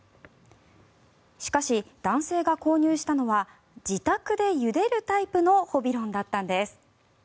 しかし、男性が購入したのは自宅でゆでるタイプのホビロンだったんです。